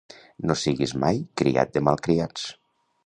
No siguis mai criat de malcriats.